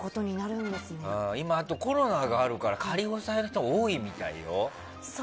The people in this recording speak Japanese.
今、コロナがあるから仮押さえとか多いみたいよ。